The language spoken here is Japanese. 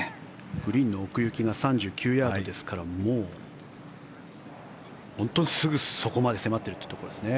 グリーンの奥行きが３９ヤードですからもう、本当にすぐそこまで迫っているというところですね。